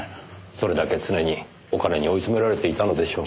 それだけ常にお金に追い詰められていたのでしょう。